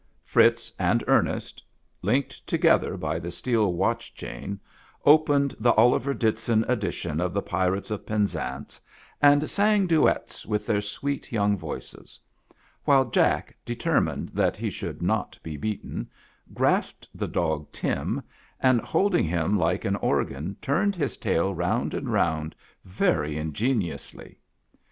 Fritz and Ernest, linked together by the steel watch chain, opened the Oliver Ditson edition of the " Pirates of Penzance," and sang duets with their sweet young voices ; while Jack, determined that he should not be beaten, grasped the dog Tim, and, hold ing him like an organ, turned his tail round and round very ingeniously.